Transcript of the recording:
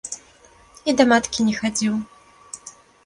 І да маткі не хадзіў.